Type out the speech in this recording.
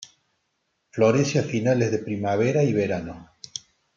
Florece a finales de primavera y verano.